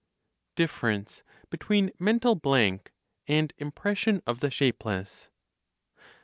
DIFFERENCE BETWEEN MENTAL BLANK AND IMPRESSION OF THE SHAPELESS.